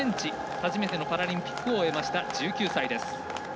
初めてのパラリンピックを終えました。